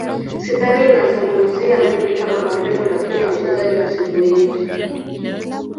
sidhani nazungumzia mimi kama mwalimu lakini wachezaji wa siku hizi